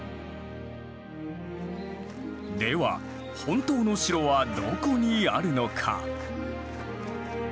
では本当の城はどこにあるのか。